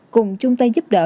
cùng chung tay giúp đỡ